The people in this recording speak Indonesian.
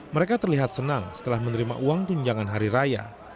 mereka terlihat senang setelah menerima uang tunjangan hari raya